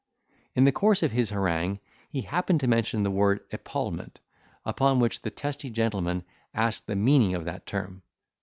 In the course of his harangue he happened to mention the word epaulement, upon which the testy gentleman asked the meaning, of that term.